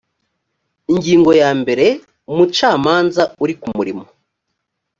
ingingo yambere umucamanza uri ku murimo